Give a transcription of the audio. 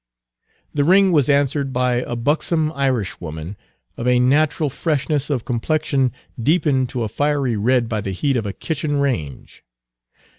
The ring was answered by a buxom Irishwoman, of a natural freshness of complexion deepened to a fiery red by the heat of a kitchen range.